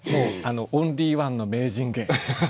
オンリーワンの名人芸。